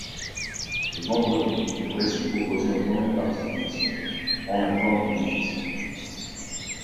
Le vendredi, le récit proposé en première partie d'émission prend la forme d'une fiction.